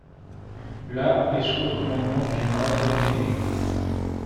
La est sous le commandement du général von Einem.